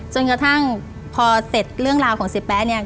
จนกระทั่งพอเสร็จเรื่องราวของเสียแป๊ะเนี่ย